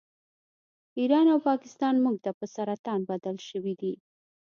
ایران او پاکستان موږ ته په سرطان بدل شوي دي